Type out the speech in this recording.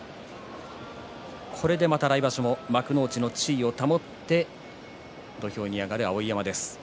これで来場所も幕内の地位を保って土俵に上がる碧山です。